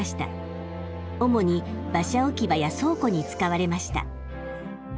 主に馬車置き場や倉庫に使われました。